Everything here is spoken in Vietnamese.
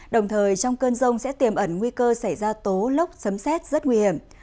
đồng thời trong cơn rông sẽ tiềm ẩn nguy cơ xảy ra tố lốc sấm xét rất nguy hiểm